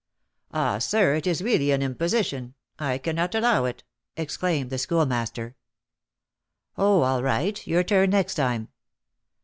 "Ah, sir, it is really an imposition, I cannot allow it," exclaimed the Schoolmaster. "Oh, all right; your turn next time."